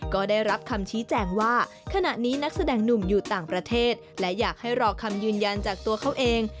ก็ได้รับคำชี้แจงว่าขณะนี้นักแสดงหนุ่มอยู่ต่างประเทศและอยากให้รอคำยืนยันจากตัวเขาเอง